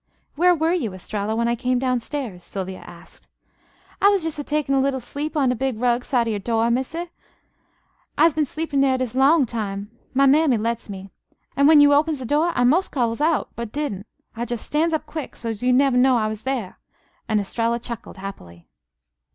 "Where were you, Estralla, when I came down stairs?" Sylvia asked. "I was jes' a takin' a little sleep on de big rug side of your door, Missy. I'se been a sleepin' dere dis long time. My mammy lets me. An' when you opens de door I mos' calls out, but didn't. I jes' stan's up quick, so's you nebber know I was thar," and Estralla chuckled happily.